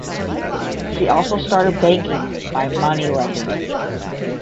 She also started banking by money lending.